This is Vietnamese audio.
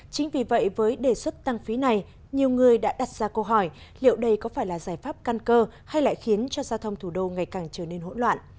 chính vì vậy với đề xuất tăng phí này nhiều người đã đặt ra câu hỏi liệu đây có phải là giải pháp căn cơ hay lại khiến cho giao thông thủ đô ngày càng trở nên hỗn loạn